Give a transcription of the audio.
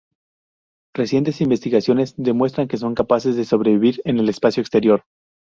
Recientes investigaciones demuestran que son capaces de sobrevivir en el espacio exterior.